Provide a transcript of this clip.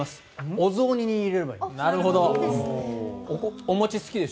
お雑煮に入れればいいんです。